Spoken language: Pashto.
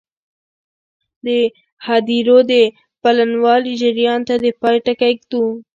د هدیرو د پلنوالي جریان ته د پای ټکی ږدو.